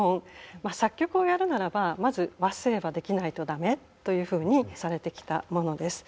まあ作曲をやるならばまず和声はできないと駄目というふうにされてきたものです。